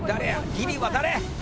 ギリは誰？